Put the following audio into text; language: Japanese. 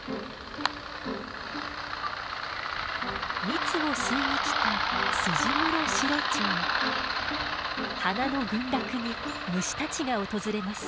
蜜を吸いに来た花の群落に虫たちが訪れます。